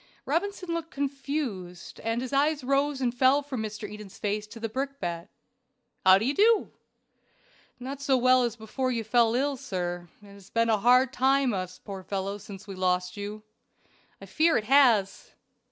Robinson looked confused, and his eyes rose and fell from Mr. Eden's face to the brickbat. "How do you do?" "Not so well as before you fell ill, sir. It has been hard times with us poor fellows since we lost you." "I fear it has."